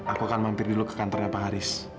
aku akan mampir dulu ke kantornya pak haris